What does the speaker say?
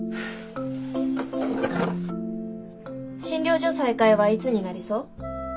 診療所再開はいつになりそう？